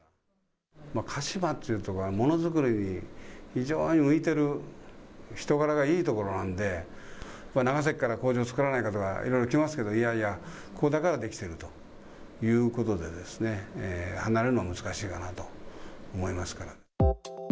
鹿島っていう所は、ものづくりに非常に向いてる、人柄がいい所なんで、長崎から工場を作らないかとかいろいろ来ますけども、いやいや、ここだからできてるということで、離れるのは難しいかなと思いますから。